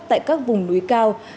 tại các vùng núi cao